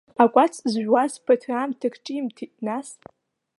Акәац зжәуаз ԥыҭраамҭак ҿимҭит, нас.